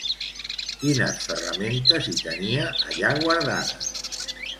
Quines ferramentes hi tenia allà guardades?